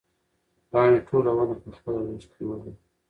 پاڼې ټوله ونه په خپله غېږ کې نیولې وه.